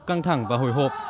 căng thẳng và hồi hộp